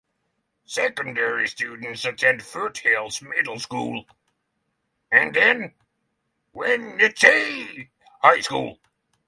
Secondary students attend Foothills Middle School and then Wenatchee High School.